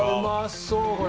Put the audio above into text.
そうこれ。